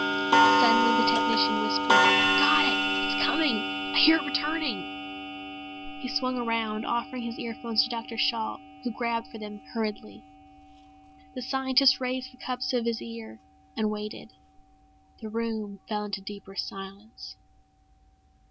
Suddenly the technician whispered, "I've got it! It's coming! I hear it returning!" He swung around, offering his earphones to Dr. Shalt, who grabbed for them hurriedly. The scientist raised the cups to his ear and waited. The room fell into deeper silence.